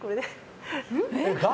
誰？